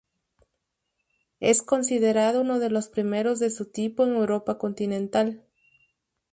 Es considerado uno de los primeros de su tipo en Europa continental.